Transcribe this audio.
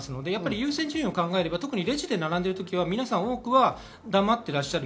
優先順位を考えればレジで並んでいる時は皆さん、多くは黙っていらっしゃる。